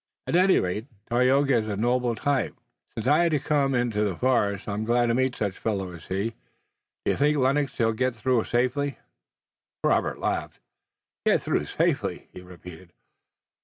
"At any rate, Tayoga is a noble type. Since I had to come into the forest I'm glad to meet such fellows as he. Do you think, Lennox, that he'll get through safely?" Robert laughed. "Get through safely?" he repeated.